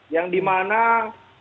yang dimana polri dimatakan